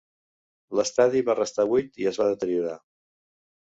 L'estadi va restar buit i es va deteriorar.